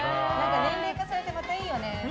年齢重ねて、またいいよね。